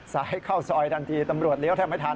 สายเข้าซอยทันทีตำรวจเลี้ยวแถมไทน